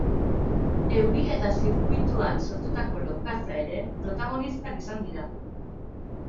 Euria eta zirkuituan sortutako lokatza ere protagonistak izan dira.